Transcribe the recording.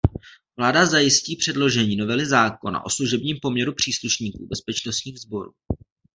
Vláda zajistí předložení novely zákona o služebním poměru příslušníků bezpečnostních sborů.